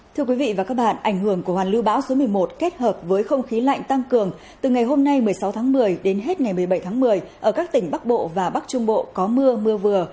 thưa quý vị và các bạn ảnh hưởng của hoàn lưu bão số một mươi một kết hợp với không khí lạnh tăng cường từ ngày hôm nay một mươi sáu tháng một mươi đến hết ngày một mươi bảy tháng một mươi ở các tỉnh bắc bộ và bắc trung bộ có mưa mưa vừa